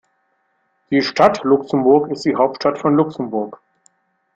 Die Stadt Luxemburg ist die Hauptstadt von Luxemburg.